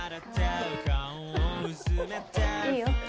いいよ。